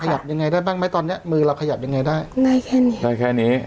ขยับยังไงได้บ้างไหมตอนเนี้ยมือเราขยับยังไงได้ได้แค่นี้ได้แค่นี้